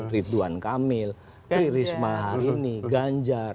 ridwan kamil tri risma ganjar